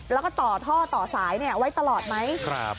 แล้วก็ต่อท่อต่อสายไว้ตลอดไหม